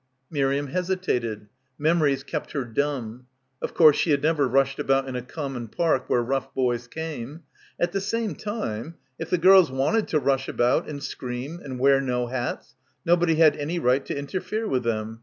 Miriam hesitated. Memories kept her dumb. Of course she had never rushed about in a com mon park where rough boys came. At the same time — if the girls wanted to rush about and scream and wear no hats nobody had any right to inter fere with them